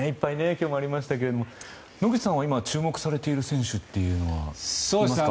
今日もありましたけれども野口さんは今注目されている選手はいますか？